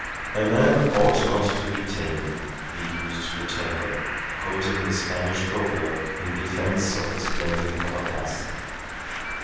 "A man ought not to be tame," he used to tell her, quoting the Spanish proverb in defence of the splendid Capataz.